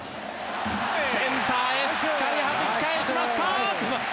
センターへしっかり、はじき返しました！